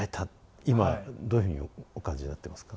今どういうふうにお感じになってますか？